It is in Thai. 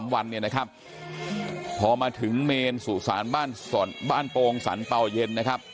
๒๓วันพอมาถึงเมนสูตรศาลบ้านโปรงสันเป้าเย็น